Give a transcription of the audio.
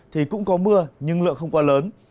thì cũng có mưa nhưng lượng không quá lớn